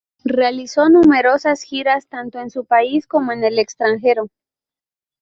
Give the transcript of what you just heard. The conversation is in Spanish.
Realizó numerosas giras, tanto en su país como en el extranjero.